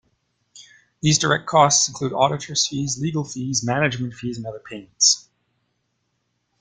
These direct costs include auditors' fees, legal fees, management fees and other payments.